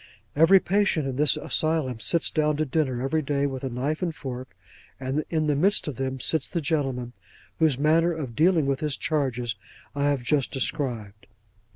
Every patient in this asylum sits down to dinner every day with a knife and fork; and in the midst of them sits the gentleman, whose manner of dealing with his charges, I have just described.